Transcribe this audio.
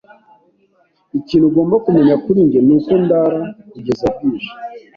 Ikintu ugomba kumenya kuri njye nuko ndara kugeza bwije.